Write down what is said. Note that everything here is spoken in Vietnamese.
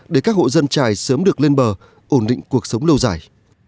để các hộ dân trài sớm được lên bờ ổn định cuộc sống lâu dài